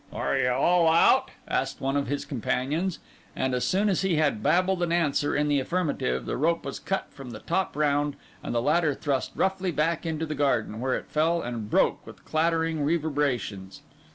'Are you all out?' asked one of his companions; and, as soon as he had babbled an answer in the affirmative, the rope was cut from the top round, and the ladder thrust roughly back into the garden, where it fell and broke with clattering reverberations.